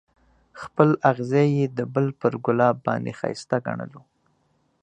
خپل اغزی یې د بل پر ګلاب باندې ښایسته ګڼلو.